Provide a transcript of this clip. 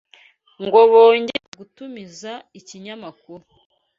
ngo bongere gutumiza ikinyamakuru